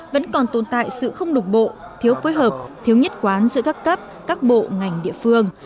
vẫn còn tồn tại sự không đục bộ thiếu phối hợp thiếu nhất quán giữa các cấp các bộ ngành địa phương